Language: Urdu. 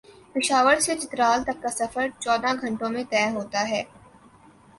پشاورسے چترال تک کا سفر چودہ گھنٹوں میں طے ہوتا ہے ۔